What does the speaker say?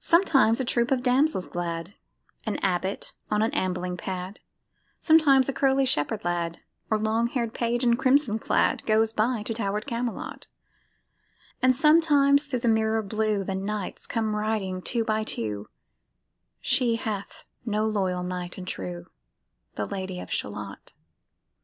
Sometimes a troop of damsels glad, An abbot on an ambling pad, Sometimes a curly shepherd lad, Or long hair'd page in crimson clad, Goes by to tower'd Camelot; And sometimes thro' the mirror blue The knights come riding two and two: She hath no loyal knight and true, The Lady of Shalott.